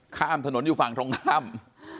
ข้ามถนนอยู่ฝั่งท้องค้ำ